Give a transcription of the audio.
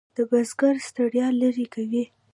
د بزګر ستړیا لرې کوي.